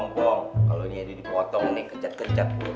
kalau ini ya dipotong nih kejat kejat loh